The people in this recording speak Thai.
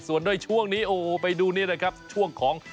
ส่วนด้วยช่วงนี้โอ้โหไปดูนี่นะครับช่วงของ